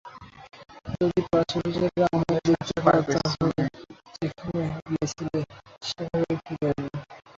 যদি প্রাচুর্যের আলামত দেখতে পাও তাহলে যেভাবে গিয়েছিলে সেভাবেই ফিরে আসবে।